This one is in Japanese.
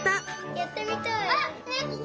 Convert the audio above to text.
やってみたい！